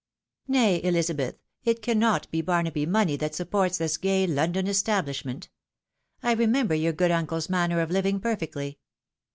" Nay, Elizabeth, it cannot be Barnaby money that sup ports this gay London establishment. I remember your good uncle's manner of living perfectly.